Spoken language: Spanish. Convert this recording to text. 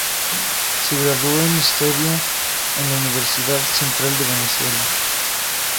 Se graduó en historia en la Universidad Central de Venezuela.